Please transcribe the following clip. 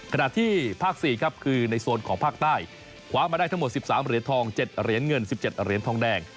ขณะที่ภาค๔ครับคือในโซนของภาคใต้คว้ามาได้ทั้งหมด๑๓เหรียญทอง๗เหรียญเงิน๑๗เหรียญทองแดง